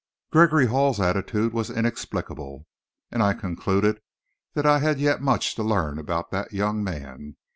Gregory Hall's attitude was inexplicable, and I concluded I had yet much to learn about that young man.